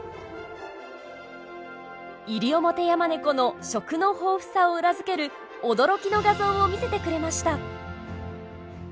イリオモテヤマネコの食の豊富さを裏付ける驚きの画像を見せてくれました。